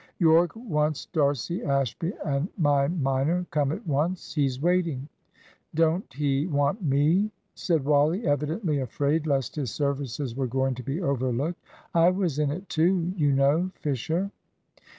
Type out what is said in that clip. "Yorke wants D'Arcy, Ashby, and my minor. Come at once, he's waiting." "Don't he want me?" said Wally, evidently afraid lest his services were going to be overlooked. "I was in it too, you know, Fisher."